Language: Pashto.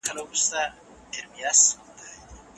ماشوم به له نورو زده کړه کوي او تعليم به ښه کېږي.